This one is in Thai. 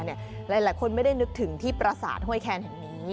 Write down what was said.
หลายคนไม่ได้นึกถึงที่ประศาจเฮ้ยแค่เหนนี้